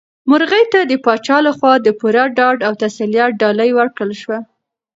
مرغۍ ته د پاچا لخوا د پوره ډاډ او تسلیت ډالۍ ورکړل شوه.